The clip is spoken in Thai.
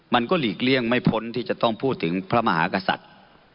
หลีกเลี่ยงไม่พ้นที่จะต้องพูดถึงพระมหากษัตริย์